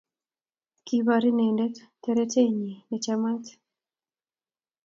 Kibor indenet teret nyii nechamat